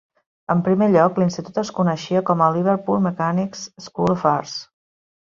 En primer lloc, l'institut es coneixia com a Liverpool Mechanics' School of Arts.